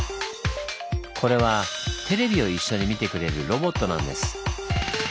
これはテレビを一緒に見てくれるロボットなんです。